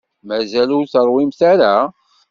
Mazal ur teṛwimt ara?